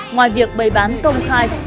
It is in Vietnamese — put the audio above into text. ngoài việc bày bán công khai